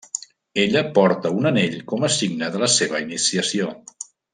Ella porta un anell com a signe de la seva iniciació.